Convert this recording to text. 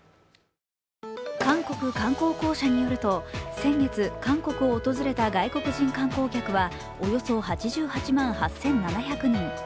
韓国観光公社によると先月、韓国を訪れた外国人観光客はおよそ８８万８７００人。